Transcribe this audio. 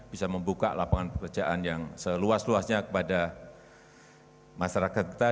bisa membuka lapangan pekerjaan yang seluas luasnya kepada masyarakat kita